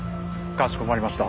かしこまりました。